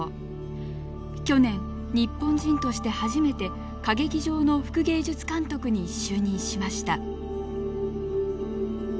去年日本人として初めて歌劇場の副芸術監督に就任しました。